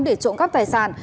để trộn cắp tài sản